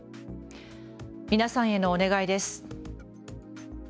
皆さんへのお願いです。